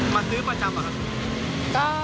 มาซื้อประจำอะครับ